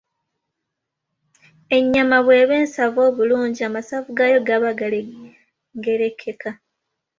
Ennyama bw’eba ensava obulungi, amasavu gaayo gaba galengerekeka.